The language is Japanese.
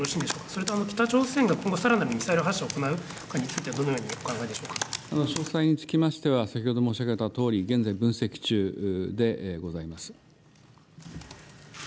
それと北朝鮮が今後、さらなるミサイル発射を行うということについてはどのようにお考詳細につきましては、先ほど申し上げたとおり、現在、分析中でございます。